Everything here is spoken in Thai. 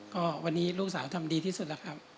ก็วันนี้ลูกสาวทำดีที่สุดแล้วครับ